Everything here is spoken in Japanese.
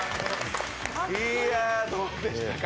いや、どうでしたか